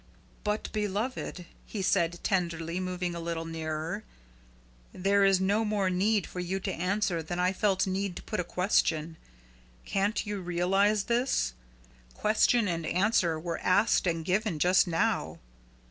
"But, beloved," he said tenderly, moving a little nearer, "there is no more need for you to answer than I felt need to put a question. Can't you realise this? Question and answer were asked and given just now.